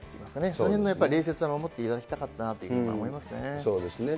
そのへんの礼節は守っていただきたかったなと思いますね。